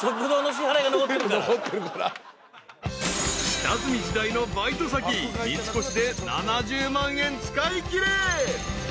［下積み時代のバイト先三越で７０万円使いきれ］